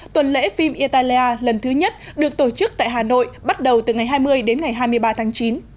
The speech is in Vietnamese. tuần lễ phim italia lần thứ nhất được tổ chức tại hà nội bắt đầu từ ngày hai mươi đến ngày hai mươi ba tháng chín